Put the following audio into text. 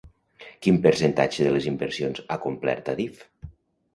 Quin percentatge de les inversions ha complert Adif?